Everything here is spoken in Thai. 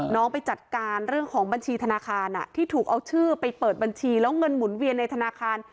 ไปจัดการเรื่องของบัญชีธนาคารที่ถูกเอาชื่อไปเปิดบัญชีแล้วเงินหมุนเวียนในธนาคาร